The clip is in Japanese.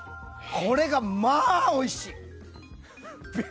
これがまあおいしい！